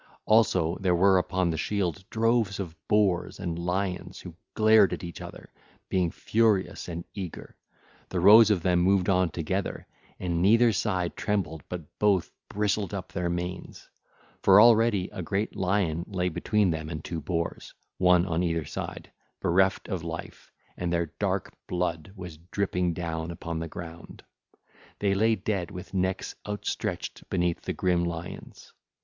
168 177) Also there were upon the shield droves of boars and lions who glared at each other, being furious and eager: the rows of them moved on together, and neither side trembled but both bristled up their manes. For already a great lion lay between them and two boars, one on either side, bereft of life, and their dark blood was dripping down upon the ground; they lay dead with necks outstretched beneath the grim lions.